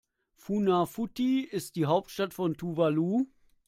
Funafuti ist die Hauptstadt von Tuvalu.